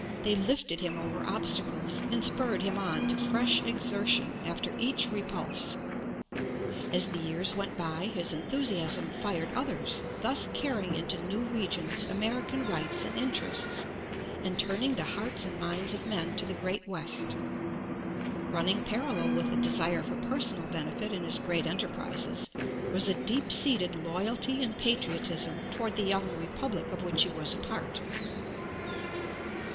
They lifted him over obstacles, and spurred him on to fresh exertion after each repulse. As the years went by, his enthusiasm fired others, thus 305 The Original John Jacob Astor carrying into new regions American rights and inter ests, and turning the hearts and minds of men to the great west. Running parallel with the desire for per sonal benefit in his great enterprises, was a deep seated loyalty and patriotism toward the young Republic of which he was a part.